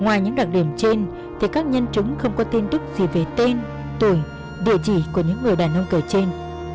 ngoài những đặc điểm trên thì các nhân chứng không có tin tức gì về tên tuổi địa chỉ của những người đàn ông cờ trên